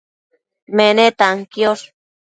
menetan quiosh